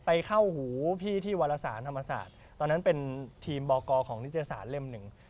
เข้าหูพี่ที่วารสารธรรมศาสตร์ตอนนั้นเป็นทีมบกของนิจศาสตร์เล่มหนึ่ง